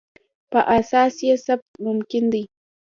په اساس یې ثبات ممکن دی.